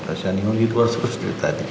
kasihan nino gitu harus terus jadi tadi